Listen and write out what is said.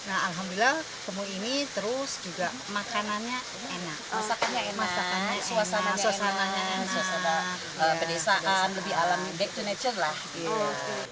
alhamdulillah temui ini terus juga makanannya enak masakannya enak suasananya enak pedesaan lebih alami back to nature lah